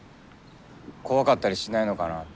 怖かったりしないのかなって。